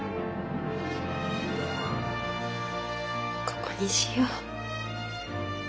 ここにしよう。